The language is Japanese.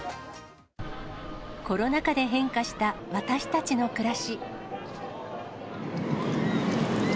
コロナ禍で変化した私たちの暮らし。